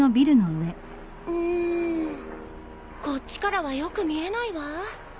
こっちからはよく見えないわ。